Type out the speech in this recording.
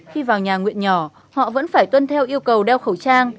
khi vào nhà nguyện nhỏ họ vẫn phải tuân theo yêu cầu đeo khẩu trang